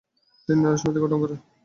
তিনি নারী-সমিতি গঠন করেন।